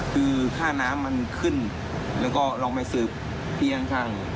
คือค่าน้ำมันขึ้นแล้วก็ลองไปสืบที่ข้าง